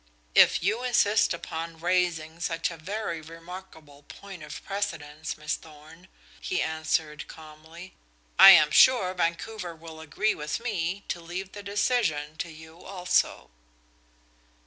"If you insist upon raising such a very remarkable point of precedence, Miss Thorn," he answered calmly, "I am sure Vancouver will agree with me to leave the decision to you also."